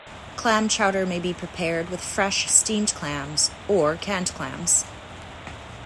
Clam chowder may be prepared with fresh, steamed clams or canned clams.